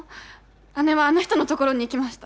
姉はあの人のところに行きました。